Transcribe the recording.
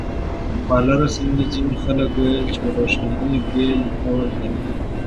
خواله رسنیو ځینې خلک وویل چې روښنايي بېل ډول ده.